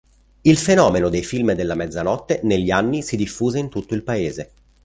Il fenomeno dei film della mezzanotte negli anni si diffuse in tutto il paese.